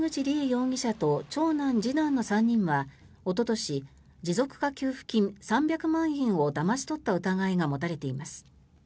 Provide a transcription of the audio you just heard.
容疑者と長男、次男の３人はおととし持続化給付金３００万円をだまし取った疑いが持たれています。